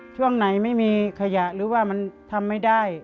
ช่วงไหนไม่มีขยะหรือว่ามันทำไม่ได้